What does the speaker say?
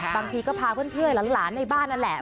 บางทีก็พาเพื่อนหลานในบ้านนั่นแหละ